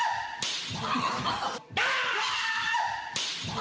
あ！